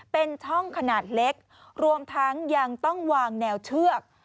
เป็นช่องขนาดเล็กรวมทั้งยังต้องวางแนวเชือก